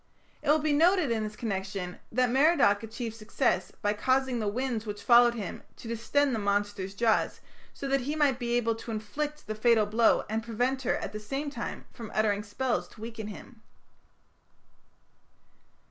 It will be noted in this connection that Merodach achieved success by causing the winds which followed him to distend the monster's jaws, so that he might be able to inflict the fatal blow and prevent her at the same time from uttering spells to weaken him.